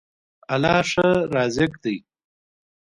الله ښه رازق دی.